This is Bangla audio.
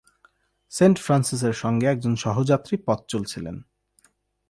সেণ্ট ফ্রান্সিসের সঙ্গে একজন সহযাত্রী পথ চলছিলেন।